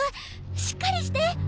しっかりして！